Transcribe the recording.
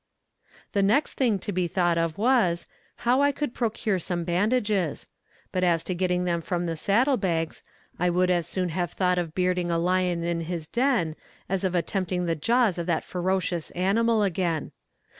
The next thing to be thought of was, how I could procure some bandages; but as to getting them from the saddle bags, I would as soon have thought of bearding a lion in his den, as of tempting the jaws of that ferocious animal again.